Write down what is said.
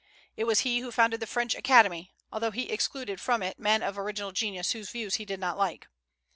It was he who founded the French Academy, although he excluded from it men of original genius whose views he did not like.